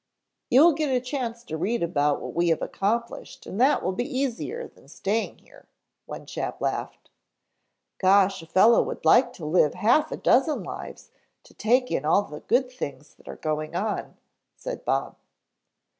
"You will get a chance to read about what we have accomplished and that will be easier than staying here," one chap laughed. "Gosh, a fellow would like to live half a dozen lives to take in all the good things that are going on," said Bob.